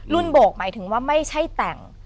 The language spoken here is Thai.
โบกหมายถึงว่าไม่ใช่แต่ง